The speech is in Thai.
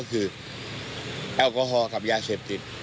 คือแอลกอฮอล์กับยาเสพติด